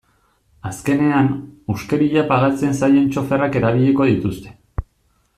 Azkenean, huskeria pagatzen zaien txoferrak erabiliko dituzte.